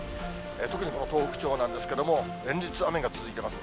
特にこの東北地方なんですけれども、連日、雨が続いています。